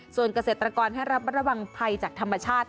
ส่วนเกษตรกรให้รับระวังภัยจากธรรมชาติ